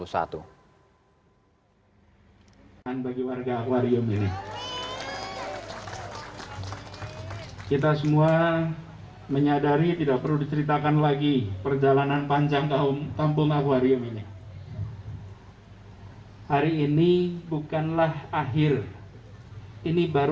selain itu plt kepala dinas perumahan rakyat dam kawasan permukiman dki jakarta sarjoko menargetkan bahwa pembangunan kampung akuarium ini akan selesai pada desember dua ribu dua puluh satu